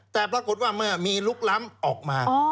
แต่ปรากฏว่าเมื่อมีลุกล้ำออกมา